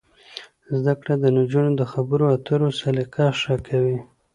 زده کړه د نجونو د خبرو اترو سلیقه ښه کوي.